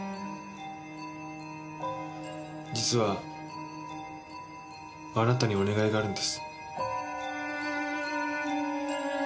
実はあなたにお願いがあるんです。